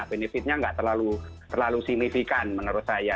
benefitnya nggak terlalu signifikan menurut saya